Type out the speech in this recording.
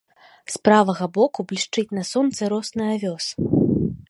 З правага боку блішчыць на сонцы росны авёс.